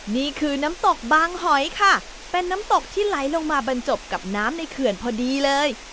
นี่คือน้ำตกบางหอยค่ะเป็นน้ำตกที่ไหลลงมาบรรจบกับน้ำในเขื่อนพอดีเลย